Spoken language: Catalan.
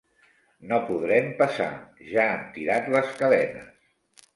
No podrem passar: ja han tirat les cadenes.